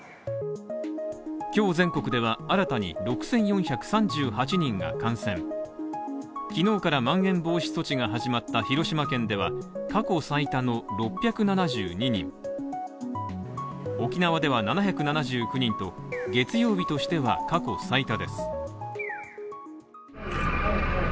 今日全国では新たに６４３８人が感染、昨日からまん延防止措置が始まった広島県では過去最多の６７２人、沖縄では７７９人と、月曜日としては過去最多です。